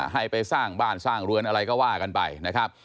ให้ไปสร้างบ้านสร้างเรือนอะไรก็ว่ากันไปนะครับ